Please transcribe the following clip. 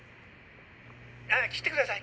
あ切ってください。